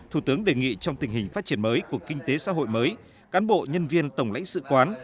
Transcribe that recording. thủ tướng đề nghị trong tình hình phát triển mới của kinh tế xã hội mới cán bộ nhân viên tổng lãnh sự quán